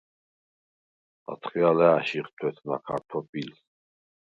ათხე ალა̄̈შიხ თუ̂ეთნა ქართობილს.